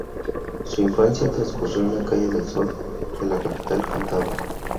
Su infancia transcurrió en la calle del Sol de la capital cántabra.